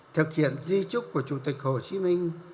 thực hiện di trúc của chủ tịch hồ chí minh